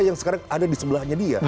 yang sekarang ada di sebelahnya dia